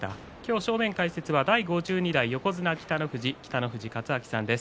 正面解説は第５２代横綱北の富士北の富士勝昭さんです。